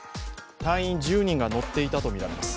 隊員１０人が乗っていたとみられます。